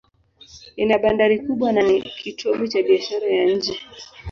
Ina bandari kubwa na ni kitovu cha biashara ya nje.